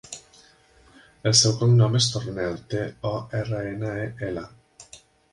El seu cognom és Tornel: te, o, erra, ena, e, ela.